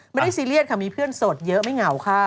ซีเรียสค่ะมีเพื่อนโสดเยอะไม่เหงาค่ะ